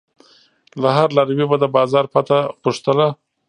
له هر لاروي به د بازار پته پوښتله.